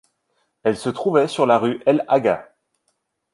Elle se trouvait sur la rue El Agha.